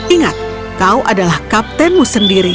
ingat kau adalah kaptenmu sendiri